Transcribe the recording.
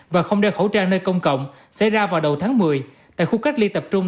và không đeo khẩu trang nơi công cộng xảy ra vào đầu tháng một mươi tại khu cách ly tập trung